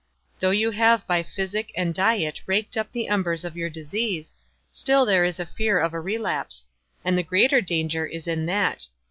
Though you have by physic and diet raked up the embers of your disease, still there is a fear of a relapse; and the greater danger is in that.